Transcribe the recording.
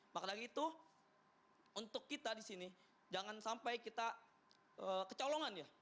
maka dari itu untuk kita di sini jangan sampai kita kecolongan ya